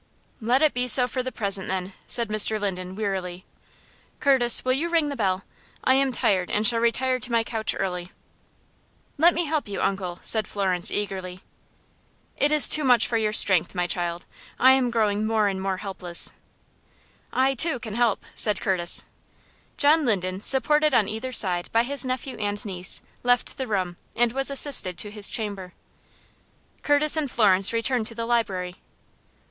"Let it be so for the present, then," said Mr. Linden, wearily. "Curtis, will you ring the bell? I am tired, and shall retire to my couch early." "Let me help you, Uncle John," said Florence, eagerly. "It is too much for your strength, my child. I am growing more and more helpless." "I, too, can help," said Curtis. John Linden, supported on either side by his nephew and niece, left the room, and was assisted to his chamber. Curtis and Florence returned to the library.